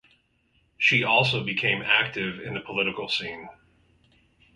She also became active in the political scene.